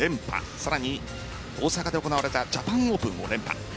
さらに大阪で行われたジャパンオープンも連覇。